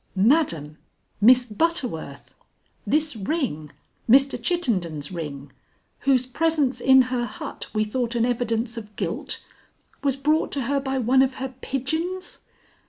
"Madam! Miss Butterworth! This ring Mr. Chittenden's ring, whose presence in her hut we thought an evidence of guilt, was brought to her by one of her pigeons?"